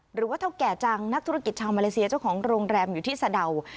หรือว่าเท่าแก่จังนักธุรกิจชาวมาเลเซียเจ้าของโรงแรมอยู่ที่สะดาว